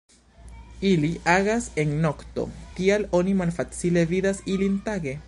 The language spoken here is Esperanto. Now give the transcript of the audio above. Ili agas en nokto, tial oni malfacile vidas ilin tage.